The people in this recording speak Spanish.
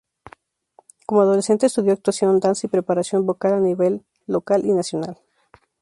Como adolescente, estudió actuación, danza y preparación vocal, a nivel local y nacional.